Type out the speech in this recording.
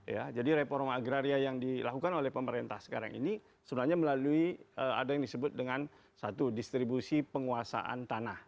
ya jadi reforma agraria yang dilakukan oleh pemerintah sekarang ini sebenarnya melalui ada yang disebut dengan satu distribusi penguasaan tanah